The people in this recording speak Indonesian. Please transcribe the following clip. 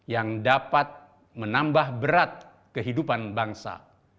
yang dapat menambah berat kehidupan bangsa